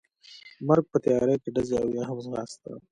مرګ، په تیارې کې ډزې او یا هم ځغاسته.